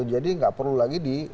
jadi gak perlu lagi di